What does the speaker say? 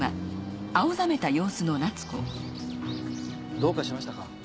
どうかしましたか？